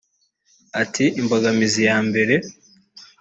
Ati “ Imbogamizi ya mbere